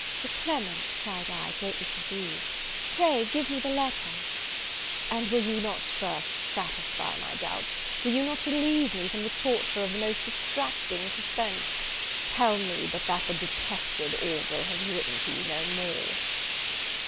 "Sir Clement," cried I, greatly confused, "pray give me the letter." "And will you not first satisfy my doubts? will you not relieve me from the torture of the most distracting suspense? tell me but that the detested Orville has written to you no more!"